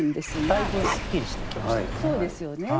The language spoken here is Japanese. だいぶすっきりしてきましたよね。